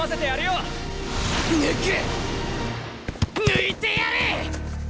抜いてやる！